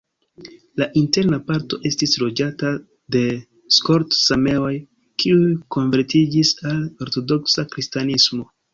La interna parto estis loĝata de skolt-sameoj, kiuj konvertiĝis al ortodoksa kristanismo.